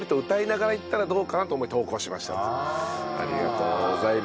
ありがとうございます。